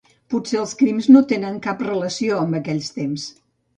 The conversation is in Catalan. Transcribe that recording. Potser els crims no tenen cap relació amb aquells temps.